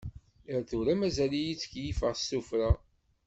Ar tura mazal-iyi ttkeyyifeɣ s tufra.